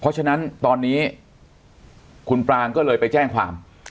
เพราะฉะนั้นตอนนี้คุณปรางก็เลยไปแจ้งความ